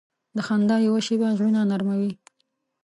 د خندا یوه شیبه زړونه نرمه وي.